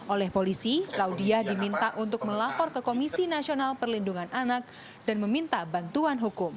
oleh polisi raudiah diminta untuk melapor ke komisi nasional perlindungan anak dan meminta bantuan hukum